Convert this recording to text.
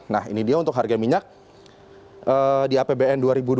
nah ini dia untuk harga minyak di apbn dua ribu dua puluh